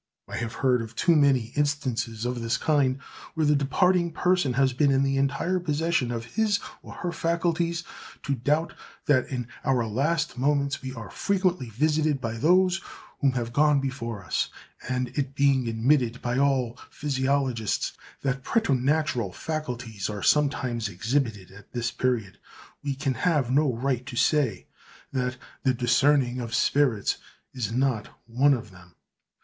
I have heard of too many instances of this kind, where the departing person has been in the entire possession of his or her faculties, to doubt that in our last moments we are frequently visited by those who have gone before us; and it being admitted by all physiologists that preternatural faculties are sometimes exhibited at this period, we can have no right to say that "the discerning of spirits" is not one of them.